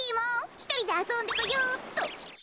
ひとりであそんでこようっと。